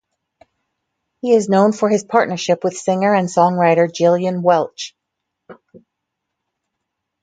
He is known for his partnership with singer and songwriter Gillian Welch.